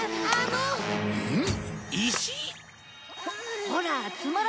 うん。